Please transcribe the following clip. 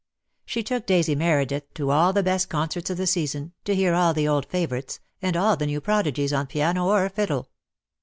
She took Daisy Meredith to all the best concerts of the season, to hear all the old favourites, and all the new prodigies on piano or fiddle.